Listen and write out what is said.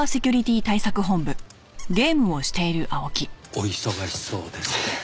お忙しそうですね。